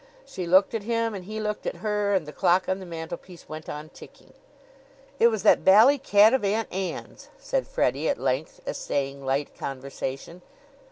She looked at him and he looked at her; and the clock on the mantel piece went on ticking. "It was that bally cat of Aunt Ann's," said Freddie at length, essaying light conversation.